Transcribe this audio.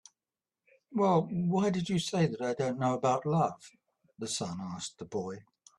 "Well, why did you say that I don't know about love?" the sun asked the boy.